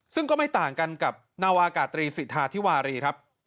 ซึ่งก็ไม่ต่างกันกับนาวากาตรีสิทธาธิวารีครับ